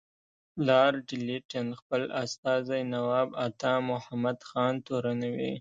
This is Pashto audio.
لارډ لیټن خپل استازی نواب عطامحمد خان تورنوي.